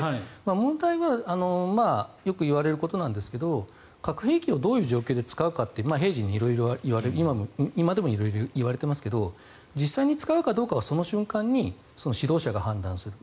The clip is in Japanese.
問題はよくいわれることなんですが核兵器をどういう状況で使うかって平時に色々今でも色々言われてますけど実際に使うかどうかはその瞬間に指導者が判断する。